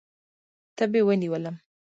تبې ونیولم.